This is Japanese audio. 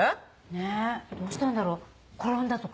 ねぇどうしたんだろう転んだとか？